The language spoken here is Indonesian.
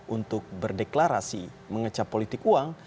untuk berdeklarasi mengecap politik uang